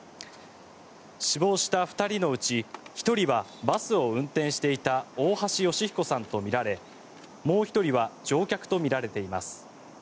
死亡した２人のうち１人はバスを運転していた大橋義彦さんとみられもう１人は乗客とみられています。